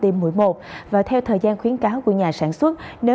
moderna thì là bốn tuần